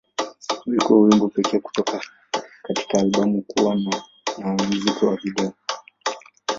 Ulikuwa wimbo pekee kutoka katika albamu kuwa na na muziki wa video.